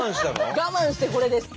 我慢してこれです。